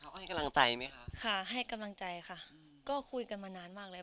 ให้กำลังใจไหมคะค่ะให้กำลังใจค่ะก็คุยกันมานานมากแล้ว